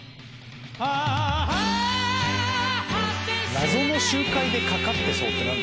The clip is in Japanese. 「“謎の集会でかかってそう”ってなんだ？」